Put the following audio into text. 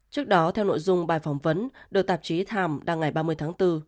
trước đó theo nội dung bài phỏng vấn được tạp chí times đăng ngày ba mươi tháng bốn